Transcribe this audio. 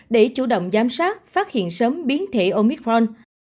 để chủ động giám sát phát hiện sớm biến thể omicron